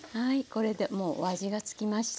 これでもうお味がつきました。